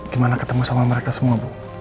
gimana ketemu sama mereka semua bu